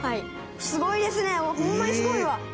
「すごいですね！ホンマにすごいわ！」